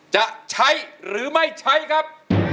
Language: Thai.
จะใช้หรือไม่ใช้ครับ